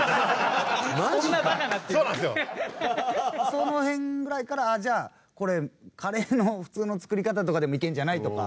その辺ぐらいからじゃあこれカレーの普通の作り方とかでもいけるんじゃない？とか。